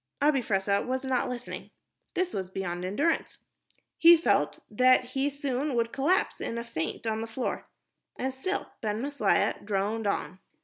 Abi Fressah was not listening. This was beyond endurance. He felt that soon he would collapse in a faint on the floor. And still Ben Maslia droned on.